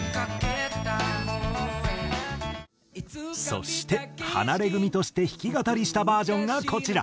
そしてハナレグミとして弾き語りしたバージョンがこちら。